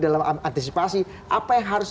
dalam antisipasi apa yang harus